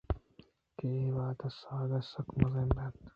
کہ اے وہد ءَ ساہگ سکّ مزن بنت